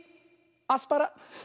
アスパラ。